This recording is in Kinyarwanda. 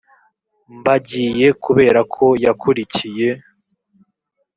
mbagiye kubera ko yakurikiye